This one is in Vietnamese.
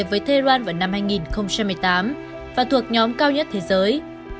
của iran vào năm hai nghìn một mươi tám và thuộc nhóm cao nhất thế giới